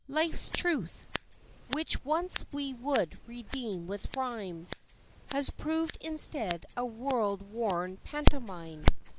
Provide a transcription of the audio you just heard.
Life's truth, which once we would redeem with rhyme, Has proved instead a world worn pantomime.